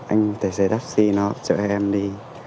anh tài xe taxi nó chở em đi